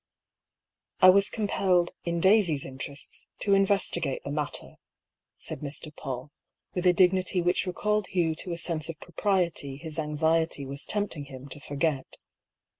" I was compelled, in Daisy's interests, to investi gate the matter," said Mr. PauU, with a dignity which recalled Hugh to a sense of propriety his anxiety was tempting him to forget.